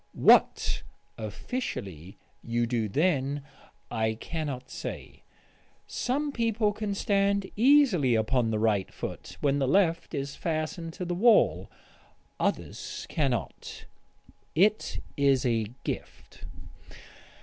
What officially you do then, I cannot say.... Some people can stand easily upon the right foot when the left is fastened to the wall ... others cannot.... It is a gift....